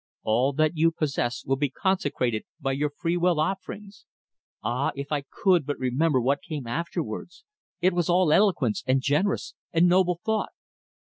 All that you possess will be consecrated by your free will offerings.' Ah, if I could but remember what came afterwards! It was all eloquence, and generous and noble thought."